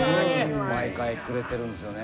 毎回くれてるんですよね。